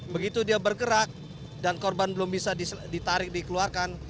begitu dia bergerak dan korban belum bisa ditarik dikeluarkan